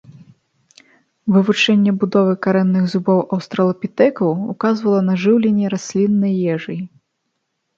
Вывучэнне будовы карэнных зубоў аўстралапітэкаў указвала на жыўленне расліннай ежай.